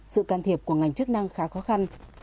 sự can thiệp của ngành chức năng khá khó khăn